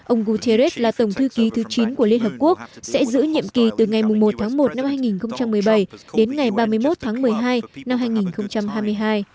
ông guterres là tổng thư ký thứ chín của liên hợp quốc sẽ giữ nhiệm kỳ từ ngày một tháng một năm hai nghìn một mươi bảy đến ngày ba mươi một tháng một mươi hai năm hai nghìn hai mươi hai